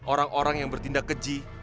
orang orang yang bertindak keji